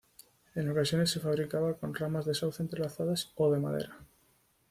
En ocasiones se fabricaba con ramas de sauce entrelazadas o de madera.